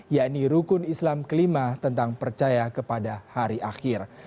yakni rukun islam kelima tentang percaya kepada hari akhir